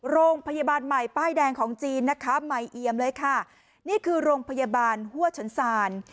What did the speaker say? โรงพยาบาลใหม่ป้ายแดงของจีนนะคะใหม่เอียมเลยค่ะนี่คือโรงพยาบาลหัวฉันศาล